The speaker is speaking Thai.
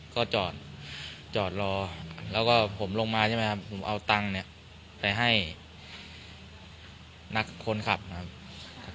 ก็จอดจอดรอแล้วก็ผมลงมาใช่ไหมครับผมเอาตังค์เนี่ยไปให้นักคนขับนะครับ